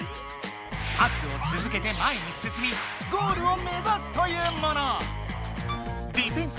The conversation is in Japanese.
パスをつづけて前にすすみゴールを目ざすというもの。